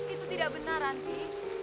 itu tidak benar ranti